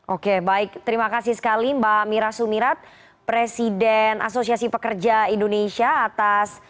oke baik terima kasih sekali mbak mira sumirat presiden asosiasi pekerja indonesia atas